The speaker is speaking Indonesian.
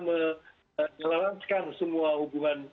menjalankan semua hubungan